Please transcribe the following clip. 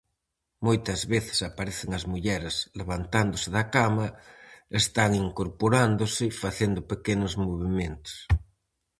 Moitas veces aparecen as mulleres levantándose da cama, están incorporándose, facendo pequenos movementos.